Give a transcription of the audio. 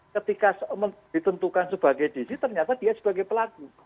ketika ditentukan sebagai dc ternyata dia sebagai pelaku